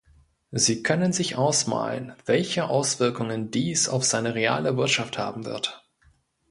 Sie können sich ausmalen, welche Auswirkungen dies auf seine reale Wirtschaft haben wird.